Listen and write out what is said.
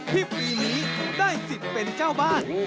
ปีนี้ได้สิทธิ์เป็นเจ้าบ้าน